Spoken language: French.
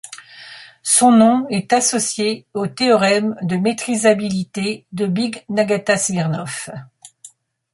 Son nom est associé au théorème de métrisabilité de Bing-Nagata-Smirnov.